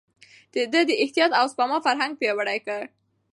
ده د احتياط او سپما فرهنګ پياوړی کړ.